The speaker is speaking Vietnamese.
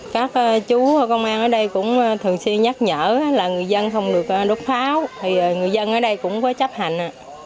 các chú công an ở đây cũng thường xuyên nhắc nhở là người dân không được đốt pháo thì người dân ở đây cũng có chấp hành